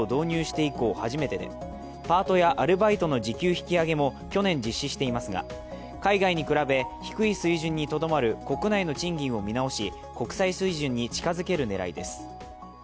以降初めてでパートやアルバイトの時給引き上げも去年実施していますが海外に比べ、低い水準にとどまる国内の賃金を見直し国際水準に近づける狙いです。